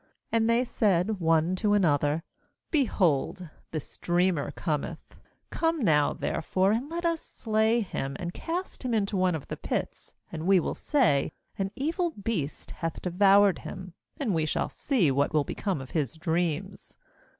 19And they said one to another: 'Behold, this dreamer cometh. 20Come now there fore, and let us slay him., and cast him into one of the pits, and we will say: An evil beast hath devoured him ; and we shall see what will be come of his dreams.'